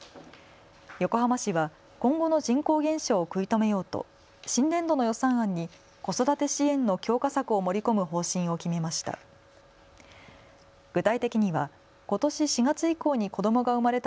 横浜市は今後の人口減少を食い止めようと新年度の予算案に子育て支援の強化策を盛り込む方針を決めました。